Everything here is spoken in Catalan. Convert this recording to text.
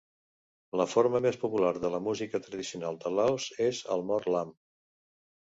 La forma més popular de la música tradicional de Laos és el mor lam.